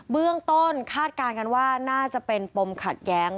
เบื้องต้นคาดการณ์กันว่าน่าจะเป็นปมขัดแย้ง